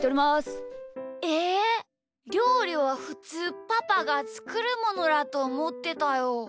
ええりょうりはふつうパパがつくるものだとおもってたよ。